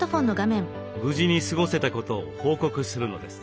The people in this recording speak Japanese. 無事に過ごせたことを報告するのです。